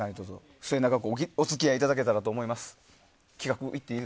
末永くお付き合いいただけたらと思います。